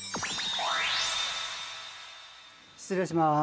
失礼します。